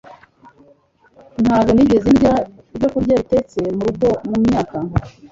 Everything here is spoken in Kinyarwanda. Ntabwo nigeze ndya ibyokurya bitetse murugo mumyaka.